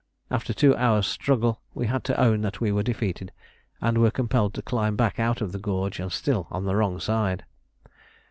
After a two hours' struggle we had to own that we were defeated, and were compelled to climb back out of the gorge and still on the wrong side.